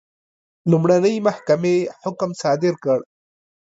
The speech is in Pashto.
لومړنۍ محکمې حکم صادر کړ.